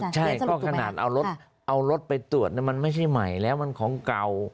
ใช่ก็ขนาดเอารถไปตรวจมันไม่ใช่ใหม่แล้วมันของเก่า